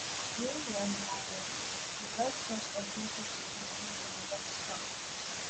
During World War One, the Red Cross operated a canteen from a boxcar.